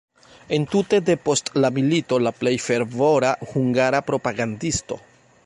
Entute depost la milito la plej fervora hungara propagandisto.